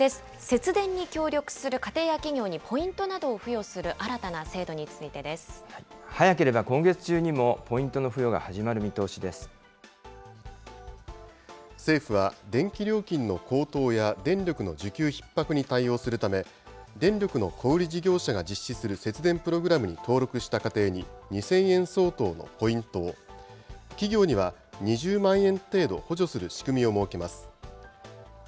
節電に協力する家庭や企業にポイントなどを付与する新たな制度に早ければ今月中にも、ポイン政府は、電気料金の高騰や電力の需給ひっ迫に対応するため、電力の小売り事業者が実施する節電プログラムに登録した家庭に、２０００円相当のポイントを、企業には２０万円程度補助する仕組みを設けます。